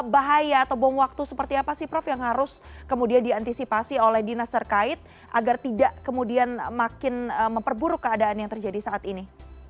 bahaya atau bom waktu seperti apa sih prof yang harus kemudian diantisipasi oleh dinas terkait agar tidak kemudian makin memperburuk keadaan yang terjadi saat ini